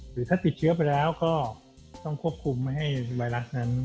หรือถ้าติดเชื้อไปแล้วก็ต้องควบคุมไม่ให้ไวรัสนั้น